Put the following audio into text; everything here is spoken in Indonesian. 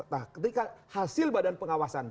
nah ketika hasil badan pengawasan